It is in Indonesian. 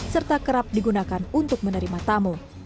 serta kerap digunakan untuk menerima tamu